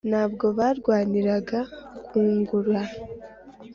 nta bwo barwaniraga kwungura